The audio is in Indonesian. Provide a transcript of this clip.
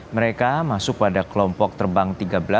mereka masuk pada kelompok terbang tiga belas